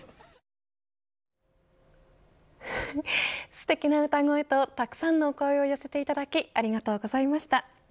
すてきな歌声とたくさんのお声を寄せていただきありがとうございました。